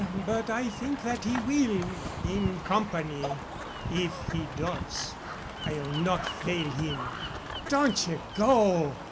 But I think that he will, in company. If he does, I'll not fail him." "Don't ye go.